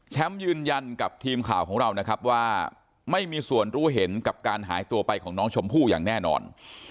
ยืนยันกับทีมข่าวของเรานะครับว่าไม่มีส่วนรู้เห็นกับการหายตัวไปของน้องชมพู่อย่างแน่นอน